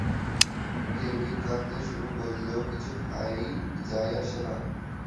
Kevin কাঁদতে শুরু করলেও কিছু যায় আসে না।